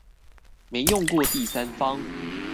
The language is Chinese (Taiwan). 沒用過第三方